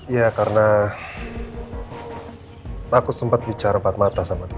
ya karena aku sempat bicara empat mata sama dia